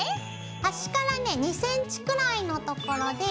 端からね２ｃｍくらいのところで。